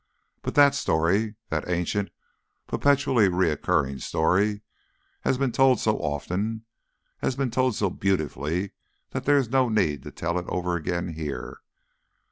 But that story, that ancient, perpetually recurring story, has been told so often, has been told so beautifully, that there is no need to tell it over again here.